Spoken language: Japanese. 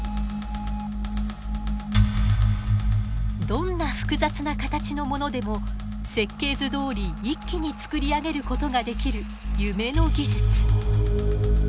どんな複雑な形のものでも設計図どおり一気に作り上げることができる夢の技術。